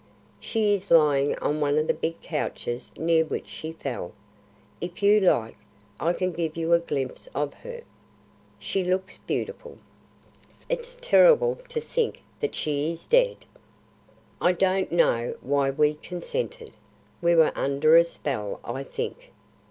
"She is lying on one of the big couches near which she fell. If you like, I can give you a glimpse of her. She looks beautiful. It's terrible to think that she is dead." I don't know why we consented. We were under a spell, I think.